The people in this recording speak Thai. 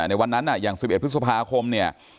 ในวันนั้นอย่าง๑๑พฤษภาคมเนี่ย